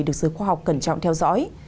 được giới khoa học cẩn trọng theo dõi